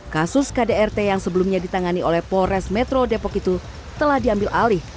kasus kdrt yang sebelumnya ditangani oleh polres metro depok itu telah diambil alih